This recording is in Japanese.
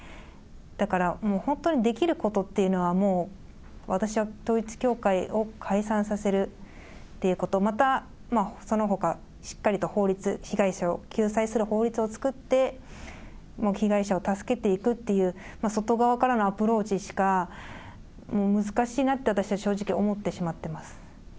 だからもう本当にできることっていうのは、もう私は統一教会を解散させるっていうこと、また、そのほかしっかり法律、被害者を救済する法律を作って、被害者を助けていくっていう、外側からのアプローチしか、難しいなって私は正直思ってしまってます。